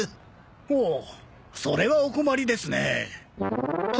ほおそれはお困りですねえ。